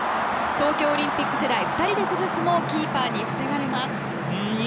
東京オリンピック世代２人で崩すもキーパーに防がれます。